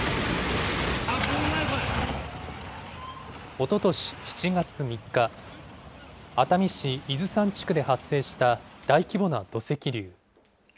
おととし７月３日、熱海市伊豆山地区で発生した大規模な土石流。